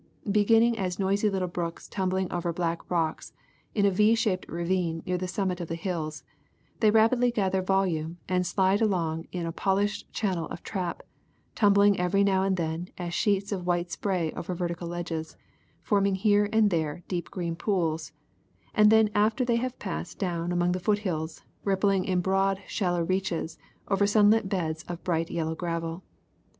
Beginning as noisy little brooks tumbling over black rocks in a V shaped ravine near the summit of the hills, they rapidly gather volume and slide along in a polished channel of trap, tumbling every now and then as sheets of white spray over vertical ledges forming here and there deep green pools, and then after they have passed down among the foot hills, rippling in broad shallow reaches over sunlit beds of bright yellow gravel.